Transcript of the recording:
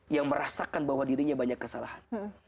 yang merasakan bahwa dirinya banyak kesalahan